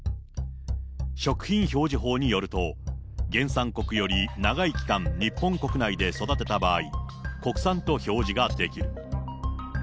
食品表示法によると、原産国より長い期間日本国内で育てた場合、国産と表示ができる。